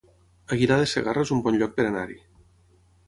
Aguilar de Segarra es un bon lloc per anar-hi